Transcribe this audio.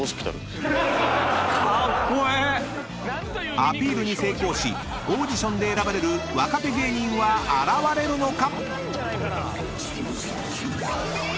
［アピールに成功しオーディションで選ばれる若手芸人は現れるのか⁉］